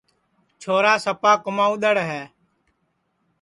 چھورا سپا کمائدڑ ہے